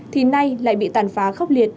thì nay lại bị tàn phá khốc liệt